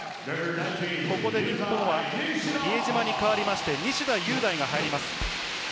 ここで比江島に代わって、西田優大が入ります。